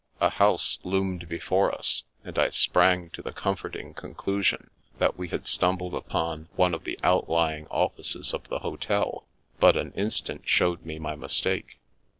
A house loomed before us, and I sprang to the comforting conclusion that we had stumbled upon one of the outlying offices of the hotel, but an instant showed me my mistake.